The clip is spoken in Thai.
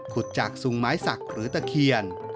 ขุดจากซุงไม้สักหรือตะเคียน